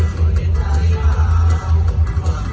กลับไปกลับไป